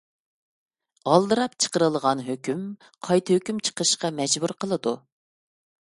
ئالدىراپ چىقىرىلغان ھۆكۈم، قايتا ھۆكۈم چىقىرىشقا مەجبۇر قىلىدۇ.